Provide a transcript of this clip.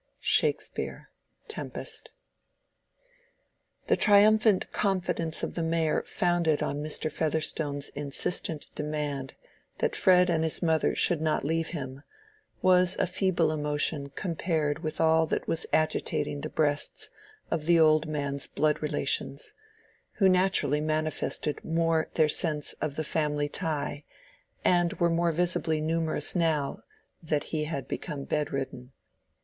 —SHAKESPEARE: Tempest. The triumphant confidence of the Mayor founded on Mr. Featherstone's insistent demand that Fred and his mother should not leave him, was a feeble emotion compared with all that was agitating the breasts of the old man's blood relations, who naturally manifested more their sense of the family tie and were more visibly numerous now that he had become bedridden.